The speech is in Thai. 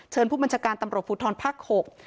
เชิญผู้บัญชาการตำรวจภูทรภักดิ์๖